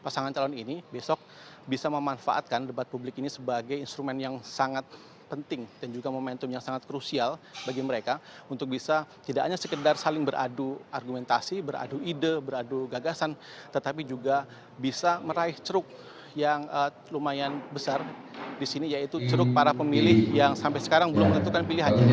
pasangan calon ini besok bisa memanfaatkan debat publik ini sebagai instrumen yang sangat penting dan juga momentum yang sangat krusial bagi mereka untuk bisa tidak hanya sekedar saling beradu argumentasi beradu ide beradu gagasan tetapi juga bisa meraih ceruk yang lumayan besar di sini yaitu ceruk para pemilih yang sampai sekarang belum menentukan pilihan